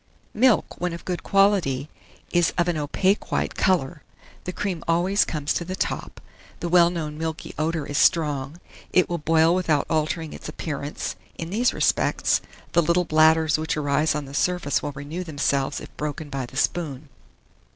MILK, when of good quality, is of an opaque white colour: the cream always comes to the top; the well known milky odour is strong; it will boil without altering its appearance, in these respects; the little bladders which arise on the surface will renew themselves if broken by the spoon.